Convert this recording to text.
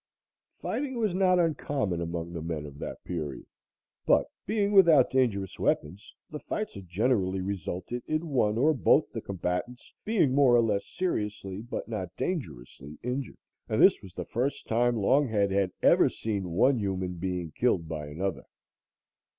Fighting was not uncommon among the men of that period, but being without dangerous weapons, the fights had generally resulted in one or both the combatants being more or less seriously but not dangerously injured, and this was the first time Longhead had ever seen one human being killed by another.